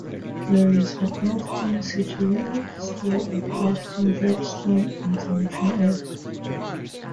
There is an "Austin City Limits" store at the Austin Bergstrom International Airport.